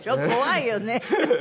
怖いよね。